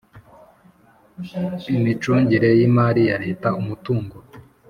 Imicungire y imari ya leta umutungo